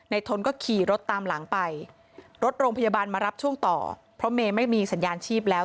ทนก็ขี่รถตามหลังไปรถโรงพยาบาลมารับช่วงต่อเพราะเมย์ไม่มีสัญญาณชีพแล้ว